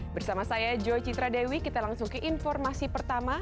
bersama saya joy citradewi kita langsung ke informasi pertama